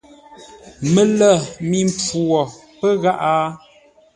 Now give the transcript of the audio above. Mələ mi mpfu wo pə́ gháʼá?